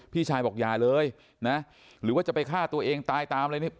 พี่ชายบอกอย่าเลยนะหรือว่าจะไปฆ่าตัวเองตายตามอะไรเนี่ย